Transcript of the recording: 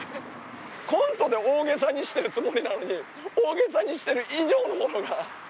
コントで大げさにしてるつもりなのに、大げさにしている以上のものが。